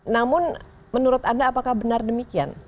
namun menurut anda apakah benar demikian